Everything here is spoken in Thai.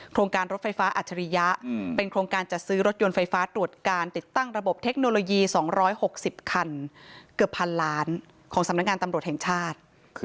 โครงการรถไฟฟ้าอัจฉริยะเป็นโครงการจัดซื้อรถยนต์ไฟฟ้าตรวจการติดตั้งระบบเทคโนโลยี๒๖๐คันเกือบพันล้านของสำนักงานตำรวจแห่งชาติ